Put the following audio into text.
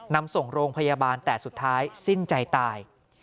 นำส่งโรงพยาบาลแต่สุดท้ายสิ้นใจตาย